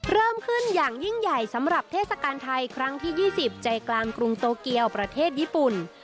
เริ่มขึ้นอย่างยิ่งใหญ่สำหรับเทศกาลไทยครั้งที่๒๐ใจกลางกรุงโตเกียวประเทศญี่ปุ่น